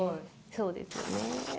そうですよね